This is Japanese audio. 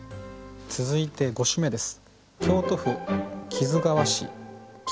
続いて５首目です。